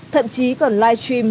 thậm chí còn live stream